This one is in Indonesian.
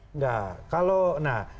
enggak kalau nah